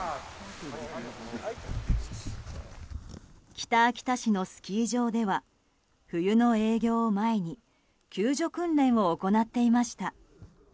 北秋田市のスキー場では冬の営業を前に救助訓練を行っていました。